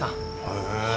へえ。